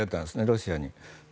ロシアには。